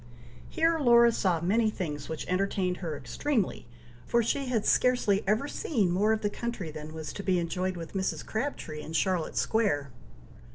Here Laura saw many things which entertained her extremely, for she had scarcely ever seen more of the country than was to be enjoyed with Mrs. Crabtree in Charlotte Square.